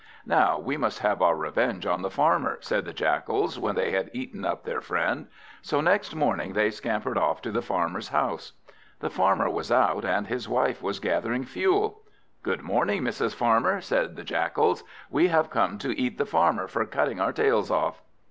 "Now we must have our revenge on the Farmer," said the Jackals when they had eaten up their friend. So next morning they scampered off to the Farmer's house. The Farmer was out, and his wife was gathering fuel. "Good morning, Mrs. Farmer," said the Jackals; "we have come to eat the Farmer for cutting our tails off."